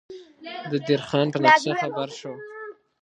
د دیر خان په نقشه خبر شو.